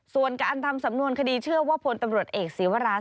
ส่วนการทำสำนวนคดีเชื่อว่าพลตำรวจเอกศีวราช